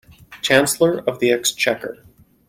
Chancellor of the Exchequer